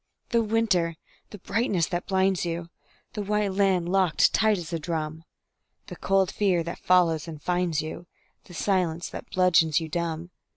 The winter! the brightness that blinds you, The white land locked tight as a drum, The cold fear that follows and finds you, The silence that bludgeons you dumb.